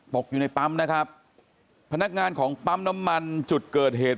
อยู่ในปั๊มนะครับพนักงานของปั๊มน้ำมันจุดเกิดเหตุ